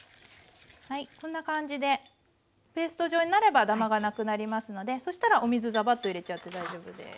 はいこんな感じでペースト状になればダマがなくなりますのでそしたらお水ザバッと入れちゃって大丈夫です。